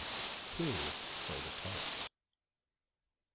WHO STOLE THE TARTS?